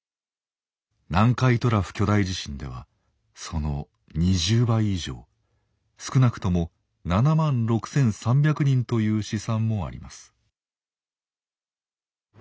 南海トラフ巨大地震ではその２０倍以上少なくとも７万６，３００人という試算もあります。